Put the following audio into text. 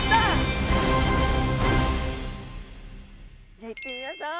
じゃあ行ってみましょう。